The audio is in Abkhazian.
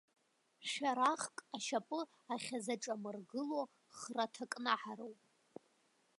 Шәарахк ашьапы ахьазаҿамыргыло храҭакнаҳароуп.